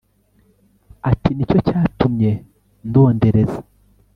Ati Ni cyo cyatumye ndondereza